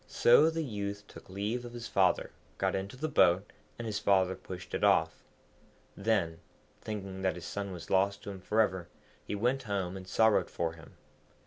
So the youth took leave of his father, got into the boat, and his father pushed it off. Then, thinking that his son was lost to him for ever, he went home and sorrowed for him.